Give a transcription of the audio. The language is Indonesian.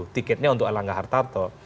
tiketnya untuk erlangga hartarto